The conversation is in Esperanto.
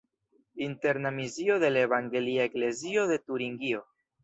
Interna misio de Evangelia eklezio de Turingio.